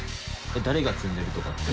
誰が積んでるとかって。